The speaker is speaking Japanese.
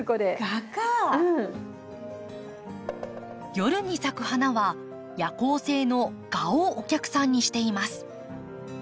夜に咲く花は夜行性の蛾をお客さんにしています。